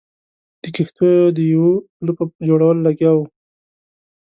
د کښتیو د یوه پله په جوړولو لګیا وو.